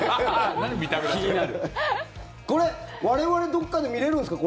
これ、我々どこかで見れるんですか？